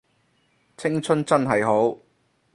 青春真係好